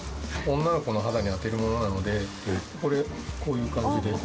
女の子の肌に当てるものなのでこれこういう感じで。